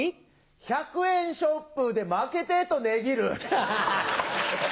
１００円ショップでまけてと値切る。